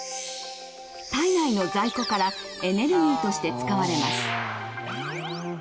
体内の在庫からエネルギーとして使われます